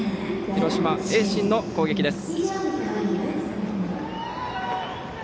広島・盈進の攻撃です。